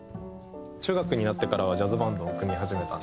中学になってからはジャズバンドを組み始めた。